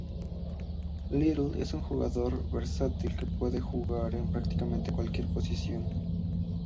Little es un jugador versátil que puede jugar en prácticamente cualquier posición.